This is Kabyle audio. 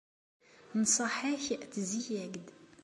Nnṣaḥa-k tezzi-yak-d!